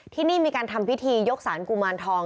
ที่นี่มีการทำพิธียกสารกุมารทอง